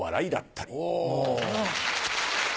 お。